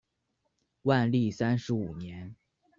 万历三十五年。